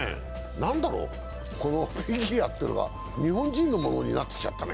何だろう、このフィギュアというのが日本人のものになってきちゃったね。